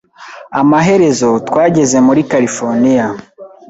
Amaherezo, twageze muri Californiya.